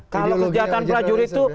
kalau kesejahteraan prajurit itu